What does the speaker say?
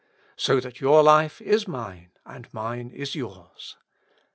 So that your life is mine apd mine is yours."